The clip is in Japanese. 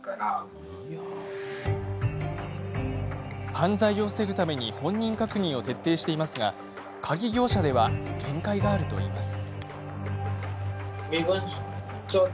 犯罪を防ぐために本人確認を徹底していますが鍵業者では限界があるといいます。